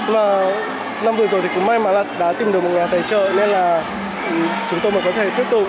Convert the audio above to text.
và năm vừa rồi thì cũng may mắn là đã tìm được một nhà tài trợ nên là chúng tôi mới có thể tiếp tục